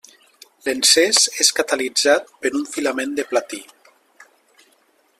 L'encès és catalitzat per un filament de platí.